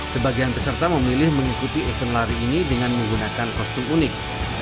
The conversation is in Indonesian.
sebagian peserta memilih mengikuti event lari ini dengan menggunakan kostum unik